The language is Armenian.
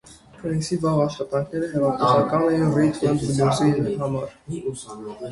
Փրինսի վաղ աշխատանքները հեղափոխական էին ռիթմ ընդ բլյուզի համար։